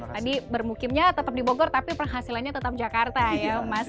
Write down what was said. tadi bermukimnya tetap di bogor tapi penghasilannya tetap jakarta ya mas